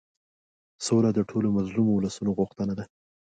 سوله د ټولو مظلومو اولسونو غوښتنه ده.